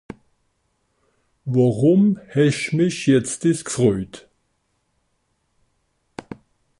Worùm hesch mich jetz dìss gfröjt ?